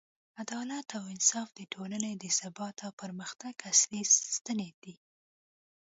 عدالت او انصاف د ټولنې د ثبات او پرمختګ اصلي ستنې دي.